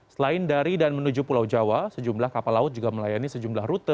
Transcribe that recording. selain dari dan menuju pulau jawa sejumlah kapal laut juga melayani sejumlah rute